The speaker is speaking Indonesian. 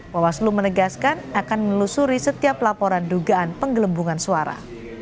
bawaslu menegaskan akan menelusuri setiap laporan dugaan penggelembungan suara